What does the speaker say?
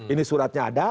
ini suratnya ada